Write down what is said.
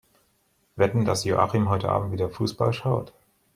Wetten, dass Joachim heute Abend wieder Fussball schaut?